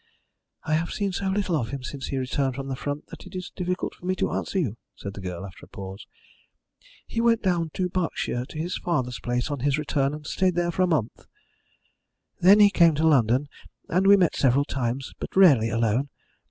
"I have seen so little of him since he returned from the front that it is difficult for me to answer you," said the girl, after a pause. "He went down to Berkshire to his father's place on his return, and stayed there a month. Then he came to London, and we met several times, but rarely alone.